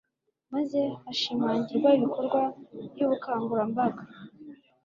maze hashimangirwa ibikorwa by'ubukangurambaga